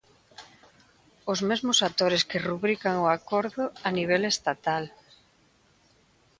Os mesmos actores que rubrican o acordo a nivel estatal.